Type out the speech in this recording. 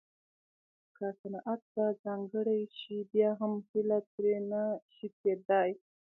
که صنعت ته ځانګړې شي بیا هم هیله ترې نه شي کېدای